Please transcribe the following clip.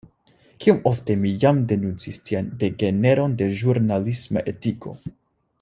Kiom ofte mi jam denuncis tian degeneron de ĵurnalisma etiko!